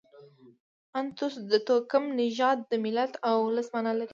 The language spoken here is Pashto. انتوس د توکم، نژاد، د ملت او اولس مانا لري.